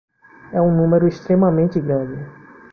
É um número extremamente grande